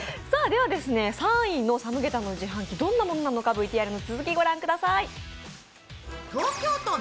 では３位のサムゲタンの自販機、どてものなのかＶＴＲの続き、御覧ください。